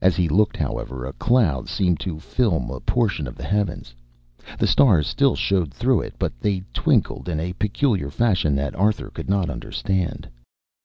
As he looked, however, a cloud seemed to film a portion of the heavens. The stars still showed through it, but they twinkled in a peculiar fashion that Arthur could not understand.